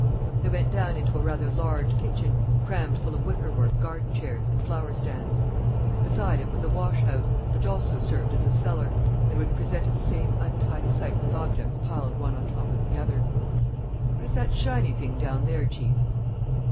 They went down into a rather large kitchen, crammed full of wicker work garden chairs and flower stands. Beside it was a wash house, which also served as a cellar, and which presented the same untidy sight of objects piled one on the top of the other. "What is that shiny thing down there, chief?"